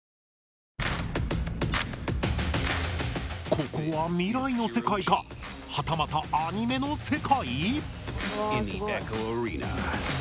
ここは未来の世界かはたまたアニメの世界⁉うわすごい！